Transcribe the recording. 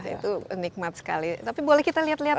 itu nikmat sekali tapi boleh kita lihat lihat